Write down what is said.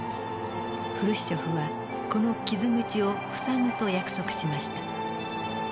フルシチョフはこの傷口を塞ぐと約束しました。